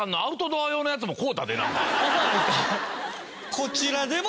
こちらでも。